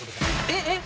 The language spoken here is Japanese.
えっ？